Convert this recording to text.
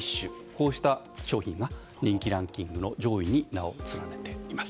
こうした商品が人気ランキングの上位に名を連ねています。